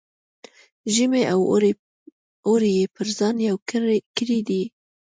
ژمی او اوړی یې پر ځان یو کړی دی.